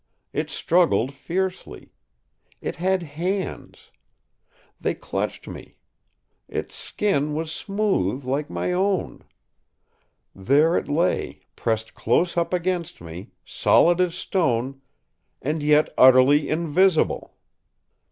It struggled fiercely. It had hands. They clutched me. Its skin was smooth, like my own. There it lay, pressed close up against me, solid as stone—and yet utterly invisible!